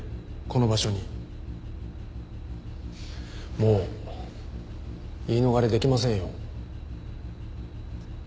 もう言い逃れできませんよ。